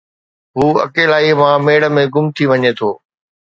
هُو اڪيلائيءَ مان ميڙ ۾ گم ٿي وڃي ٿو